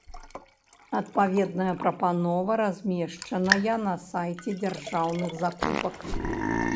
Адпаведная прапанова размешчаная на сайце дзяржаўных закупак.